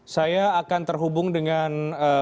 saya akan terhubung dengan